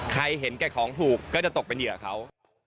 เห็นแก่ของถูกก็จะตกเป็นเหยื่อเขา